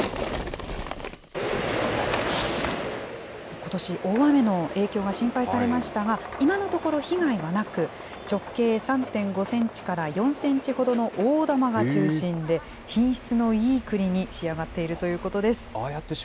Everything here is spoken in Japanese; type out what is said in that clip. ことし、大雨の影響が心配されましたが、今のところ被害はなく、直径３．５センチから４センチほどの大玉が中心で、品質のいいくりに仕上がっているということです。